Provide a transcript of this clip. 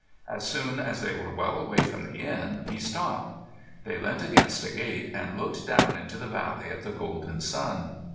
As soon as they were well away from the inn he stopped. They leant against a gate and looked down into the valley at the golden sun.